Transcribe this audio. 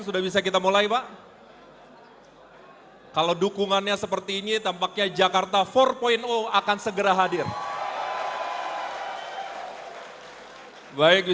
lalu bila kita berkemarin kita jadi semua menjadi ibu dan bapak sebentar lagi